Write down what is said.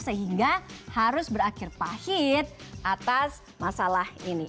sehingga harus berakhir pahit atas masalah ini